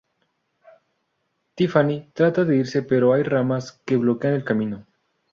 Tiffany trata de irse pero hay ramas que bloquean el camino.